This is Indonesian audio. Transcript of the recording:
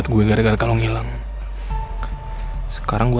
sebaiknya kamu cintakan aku